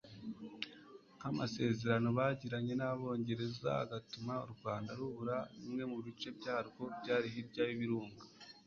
nk'amasezerano bagiranye n'Abongereza agatuma u Rwanda rubura bimwe mu bice byarwo byari hirya y'Ibirunga